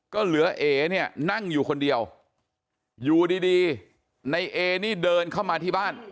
ก็เหลือเอเนี่ยนั่งอยู่คนเดียวอยู่ดีในเอนี่เดินเข้ามาที่บ้าน